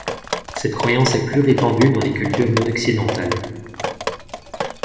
Cette croyance est plus répandue dans les cultures non occidentales.